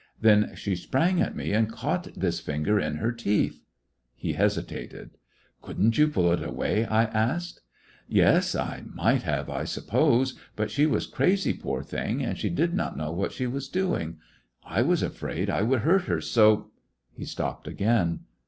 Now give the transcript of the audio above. Then she sprang at me and caught this finger in her teeth—" He hesitated. "Could n't you pull it away t " I asked. 161 3 lyiissionary in tge Great West "Yes, I might have, I suppose ; but she was crazy, poor thing, and she did not know what she was doing. I was afraid I would hurt her, so—" He stopped again.